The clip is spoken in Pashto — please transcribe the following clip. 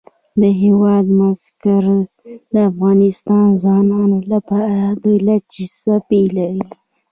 د هېواد مرکز د افغان ځوانانو لپاره دلچسپي لري.